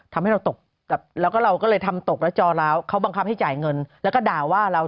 ทำให้เราตกแล้วก็เราก็เลยทำตกแล้วจอแล้วเขาบังคับให้จ่ายเงินแล้วก็ด่าว่าเรา